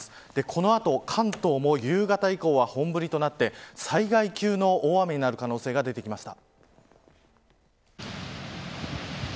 この後関東も夕方以降は本降りとなって災害級の大雨になる可能性が出てきました。